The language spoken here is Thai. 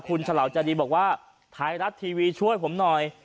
คุณฉลาวจาดีบอกว่าไทยรัฐทีวีช่วยผมหน่อย